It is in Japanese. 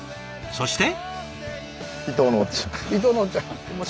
そして。